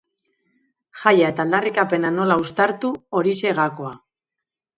Jaia eta aldarrikapena nola uztartu, horixe gakoa.